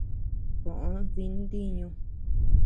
Koʼö dï ntiñu.